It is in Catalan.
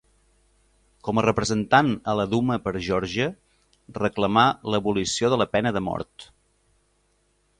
Com a representant a la Duma per Geòrgia, reclamà l'abolició de la pena de mort.